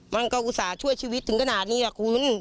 อุตส่าห์ช่วยชีวิตถึงขนาดนี้ล่ะคุณ